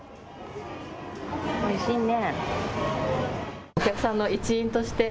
おいしいね。